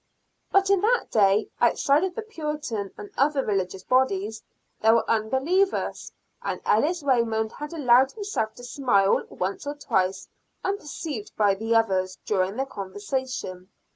But even in that day, outside of the Puritan and other religious bodies, there were unbelievers; and Ellis Raymond had allowed himself to smile once or twice, unperceived by the others, during their conversation.